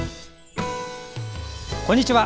こんにちは。